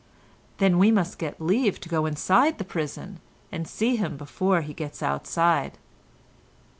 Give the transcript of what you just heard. "Then we must get leave to go inside the prison, and see him before he gets outside."